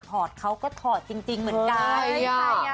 ถอดเขาก็ถอดจริงเหมือนกัน